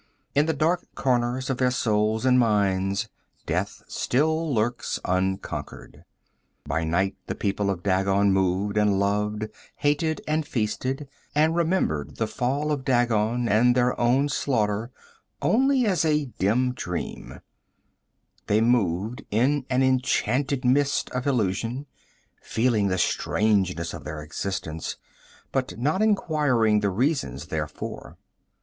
In the dark corners of their souls and minds death still lurks unconquered. By night the people of Dagon moved and loved, hated and feasted, and remembered the fall of Dagon and their own slaughter only as a dim dream; they moved in an enchanted mist of illusion, feeling the strangeness of their existence but not inquiring the reasons therefor.